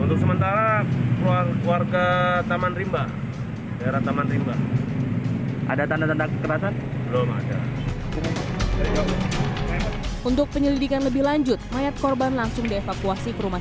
untuk penyelidikan lebih lanjut mayat korban langsung dievakuasi ke rumah